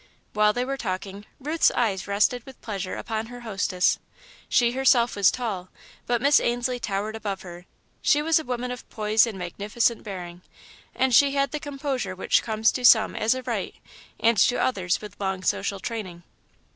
While they were talking, Ruth's eyes rested with pleasure upon her hostess. She herself was tall, but Miss Ainslie towered above her. She was a woman of poise and magnificent bearing, and she had the composure which comes to some as a right and to others with long social training.